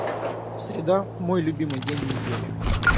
Среда - мой любимый день недели.